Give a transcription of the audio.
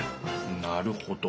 なるほど。